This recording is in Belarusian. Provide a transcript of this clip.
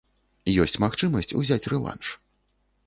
Ёсць магчымасць узяць рэванш.